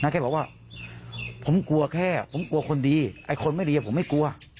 แค่บอกว่าผมกลัวแค่ผมกลัวคนดีไอ้คนไม่ดีผมไม่กลัว